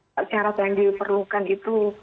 syarat yang diperlukan itu